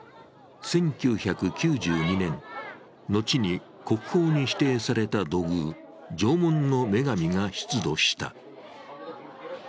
１９９２年、後に国宝に指定された土偶縄文の女神が出土した。